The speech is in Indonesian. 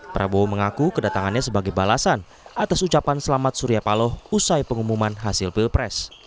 prabowo mengaku kedatangannya sebagai balasan atas ucapan selamat surya paloh usai pengumuman hasil pilpres